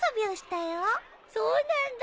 そうなんだ？